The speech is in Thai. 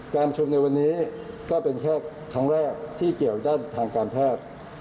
ชนในวันนี้ก็เป็นแค่ครั้งแรกที่เกี่ยวด้านทางการแพทย์